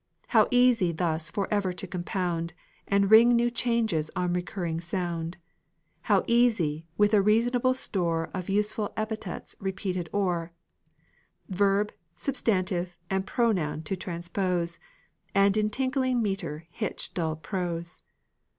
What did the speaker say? How easy thus forever to compound, And ring new changes on recurring sound; How easy, with a reasonable store Of useful epithets repeated o'er, Verb, substantive, and pronoun, to transpose, And into tinkling metre hitch dull prose.